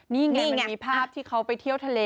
นี่ไงมีภาพที่เขาไปเที่ยวทะเล